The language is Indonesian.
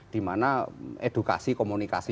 dimana edukasi komunikasi